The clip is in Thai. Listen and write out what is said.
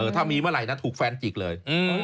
ถ้ามีเมื่อไหร่นะถูกแฟนจิกเลย